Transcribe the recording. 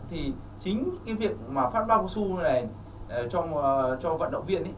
thì chính cái việc mà phát bao cao su này cho vận động viên